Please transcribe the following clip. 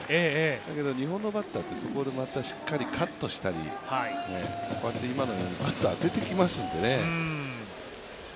だけど日本のバッターでそこでまたしっかりカットしたり、こうやってバットを当ててきますねのでね。